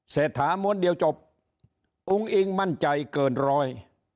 เศรษฐาม้วนเดียวจบอุ้งอิงมั่นใจเกินร้อย